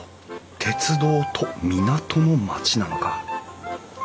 鉄道と港の町なのか。